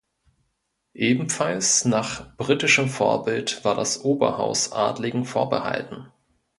Ebenfalls nach britischem Vorbild war das Oberhaus Adligen vorbehalten.